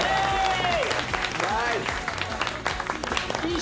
ナイス！